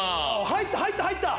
入った入った入った。